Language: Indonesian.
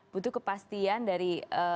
butuh kepastian dari